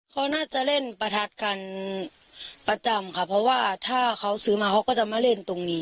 เขาน่าจะเล่นประทัดกันประจำค่ะเพราะว่าถ้าเขาซื้อมาเขาก็จะมาเล่นตรงนี้